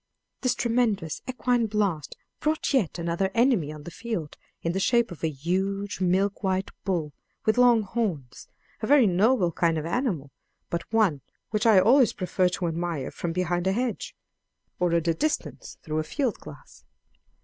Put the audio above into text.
This tremendous equine blast brought yet another enemy on the field in the shape of a huge milk white bull with long horns: a very noble kind of animal, but one which I always prefer to admire from behind a hedge, or at a distance through a field glass.